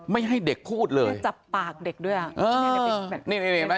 ไม่ให้เด็กพูดเลยจับปากเด็กด้วยฮะอ๋อนี่แบบนี้